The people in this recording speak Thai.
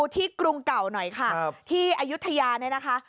กรุงเก่าหน่อยค่ะที่อายุทยาเนี่ยนะคะ